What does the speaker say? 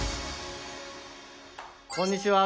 こんにちは。